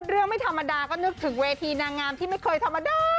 ไม่ธรรมดาก็นึกถึงเวทีนางงามที่ไม่เคยธรรมดา